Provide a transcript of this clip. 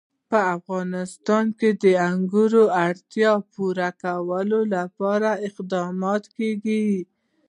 په افغانستان کې د انګور د اړتیاوو پوره کولو لپاره اقدامات کېږي.